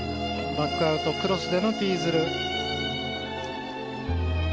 バックアウトクロスでのツイズル。